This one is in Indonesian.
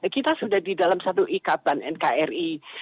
kita sudah di dalam satu ikaban nkri